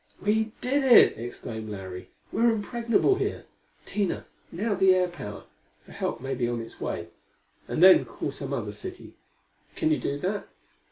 "We did it!" exclaimed Larry. "We're impregnable here. Tina, now the air power, for help may be on its way. And then call some other city. Can you do that?